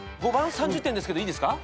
３０点ですけどいいですか？